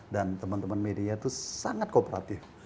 dan teman teman media itu sangat kooperatif